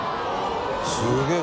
すげえ！